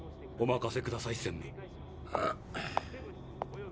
お任せください専務。